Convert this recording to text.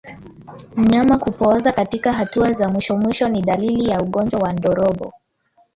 Mnyama kupooza katika hatua za mwishomwisho ni dalili ya ugonjwa wa ndorobo